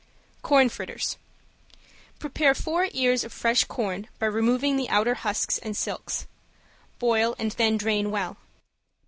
~CORN FRITTERS~ Prepare four ears of fresh corn by removing the outer husks and silks; boil and then drain well.